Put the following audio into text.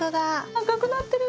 赤くなってる。